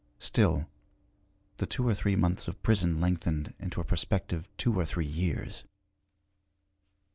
Still the two or three months of prison lengthened into a prospective two or three years.